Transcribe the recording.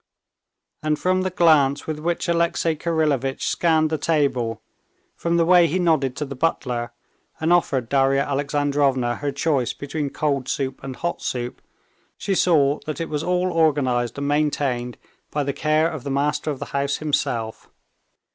And from the glance with which Alexey Kirillovitch scanned the table, from the way he nodded to the butler, and offered Darya Alexandrovna her choice between cold soup and hot soup, she saw that it was all organized and maintained by the care of the master of the house himself.